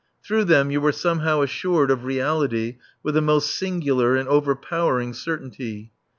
Through them you were somehow assured of Reality with a most singular and overpowering certainty.